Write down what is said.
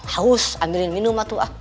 haus ambilin minum lah tuh ah